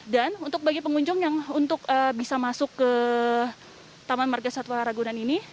dan untuk bagi pengunjung yang untuk bisa masuk ke taman margasatwa ragunan ini